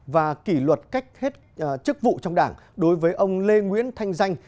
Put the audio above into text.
và kỷ luật cách hết chức vụ trong đảng đối với ông lê nguyễn thanh danh